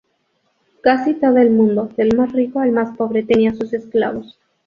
Casi todo el mundo, del más rico al más pobre, tenía sus esclavos.